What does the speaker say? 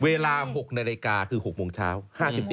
เวลา๖นาฬิกาคือ๖โมงเช้า๕๔นาที